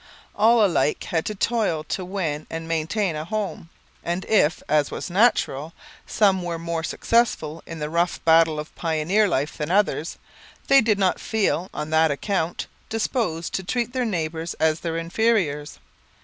All alike had to toil to win and maintain a home; and if, as was natural, some were more successful in the rough battle of pioneer life than others, they did not feel, on that account, disposed to treat their neighbours as their inferiors.